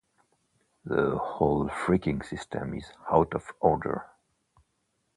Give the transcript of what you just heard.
The whole freaking system is out of order.